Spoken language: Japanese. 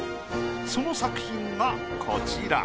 その作品がこちら。